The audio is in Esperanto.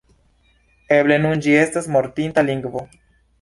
Eble nun ĝi estas mortinta lingvo.